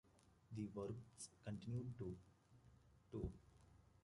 The Varukers continue to tour.